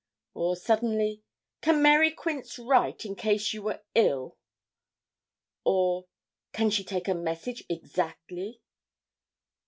Or, suddenly: 'Can Mary Quince write, in case you were ill?' Or, 'Can she take a message exactly?'